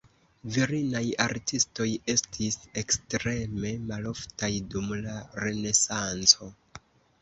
Virinaj artistoj estis ekstreme maloftaj dum la Renesanco.